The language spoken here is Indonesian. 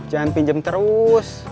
jangan pinjem terus